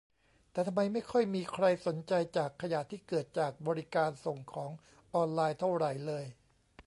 แต่ทำไมไม่ค่อยมีใครสนใจจากขยะที่เกิดจากบริการส่งของออนไลน์เท่าไหร่เลย